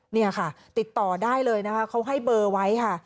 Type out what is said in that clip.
นี่ค่ะติดต่อได้เลยนะคะเขาให้เบอร์ไว้ค่ะ